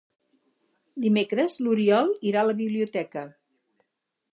Dimecres n'Oriol irà a la biblioteca.